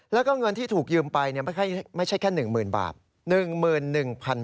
แล้วก็เงินที่ถูกยืมไปไม่ใช่แค่๑๐๐๐บาท